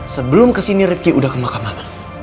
sebelum kesini rifki udah ke mahkamah